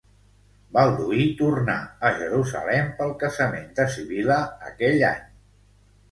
Balduí tornà a Jerusalem pel casament de Sibil·la, aquell any.